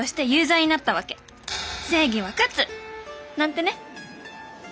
正義は勝つ！なんてね」。